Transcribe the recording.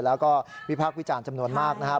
แล้วก็วิพากษ์วิจารณ์จำนวนมากนะครับ